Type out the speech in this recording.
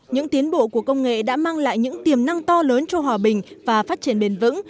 những tiến bộ của công nghệ đã mang lại những tiềm năng to lớn cho hòa bình và phát triển bền vững